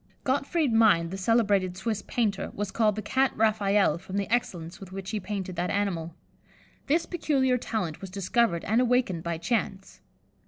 '" Gottfried Mind, the celebrated Swiss painter, was called the "Cat Raphael," from the excellence with which he painted that animal. This peculiar talent was discovered and awakened by chance.